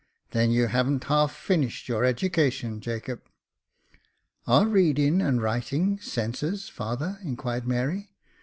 " Then you hav'n't half finished your education, Jacob." "Are reading and writing senses, father.?" inquired Mary.